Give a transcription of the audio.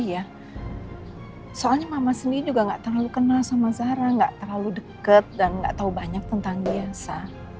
tapi ya soalnya mama sendiri juga gak terlalu kenal sama zara gak terlalu deket dan gak tahu banyak pun tentang dia sa